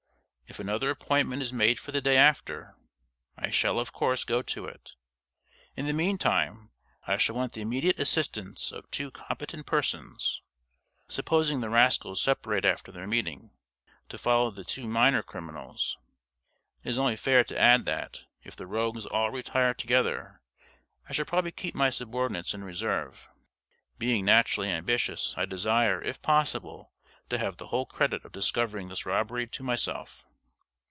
If another appointment is made for the day after, I shall, of course, go to it. In the meantime, I shall want the immediate assistance of two competent persons (supposing the rascals separate after their meeting) to follow the two minor criminals. It is only fair to add that, if the rogues all retire together, I shall probably keep my subordinates in reserve. Being naturally ambitious, I desire, if possible, to have the whole credit of discovering this robbery to myself.